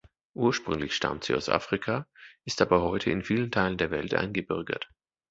Ursprünglich stammt sie aus Afrika, ist aber heute in vielen Teilen der Welt eingebürgert.